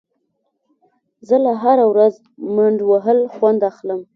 زه له هره ورځ منډه وهل خوند اخلم.